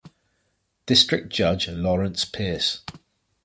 District Judge Lawrence Pierce.